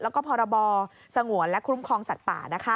แล้วก็พรบสงวนและคุ้มครองสัตว์ป่า